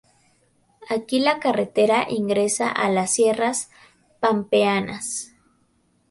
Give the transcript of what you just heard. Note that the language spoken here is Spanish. Aquí la carretera ingresa a las Sierras Pampeanas.